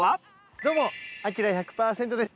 どうもアキラ１００％です。